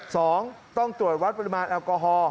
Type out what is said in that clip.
สองต้องตรวจวัดปริมาณแอลกอฮอล